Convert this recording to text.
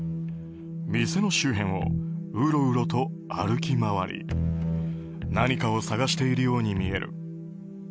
店の周辺をうろうろと歩き回り何かを探しているように見える。